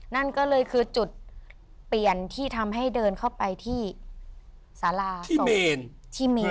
นั่นก็เลยคือจุดเปลี่ยนที่ทำให้เดินเข้าไปที่สารา๒ที่มี